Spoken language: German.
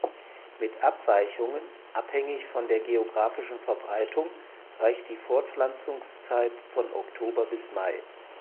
Mit Abweichungen abhängig von der geografischen Verbreitung reicht die Fortpflanzungszeit von Oktober bis Mai.